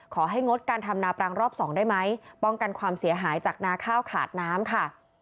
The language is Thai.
งดการทำนาปรังรอบสองได้ไหมป้องกันความเสียหายจากนาข้าวขาดน้ำค่ะ